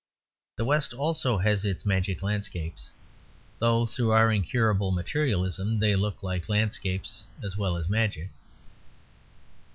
The West also has its magic landscapes, only through our incurable materialism they look like landscapes as well as like magic.